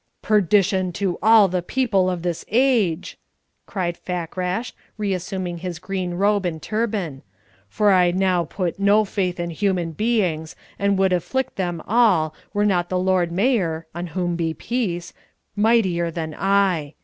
"Perdition to all the people of this age!" cried Fakrash, re assuming his green robe and turban, "for I now put no faith in human beings and would afflict them all, were not the Lord Mayor (on whom be peace!) mightier than I.